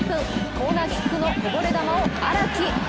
コーナーキックのこぼれ球を荒木。